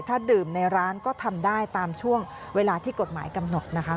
ถ้าดื่มในร้านก็ทำได้ตามช่วงเวลาที่กฎหมายกำหนดนะคะ